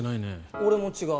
俺も違う。